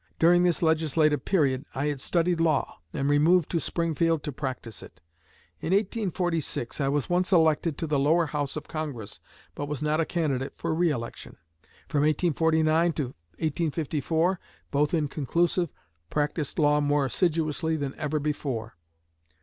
During this legislative period I had studied law, and removed to Springfield to practice it. In 1846 I was once elected to the Lower House of Congress, but was not a candidate for re election. From 1849 to 1854, both inclusive, practiced law more assiduously than ever before.